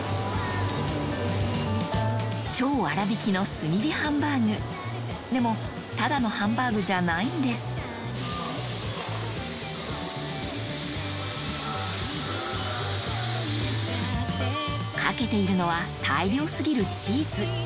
超粗びきの炭火ハンバーグでもただのハンバーグじゃないんですかけているのは大量過ぎるチーズ